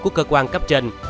của cơ quan cấp trên